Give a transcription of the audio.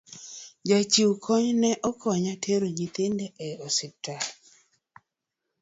jochiw kony nokonyo tero nyithindo e ospital